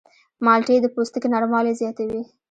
مالټې د پوستکي نرموالی زیاتوي.